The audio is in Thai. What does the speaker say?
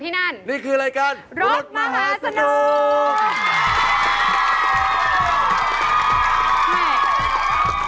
สีสันมันดูน่าสนุก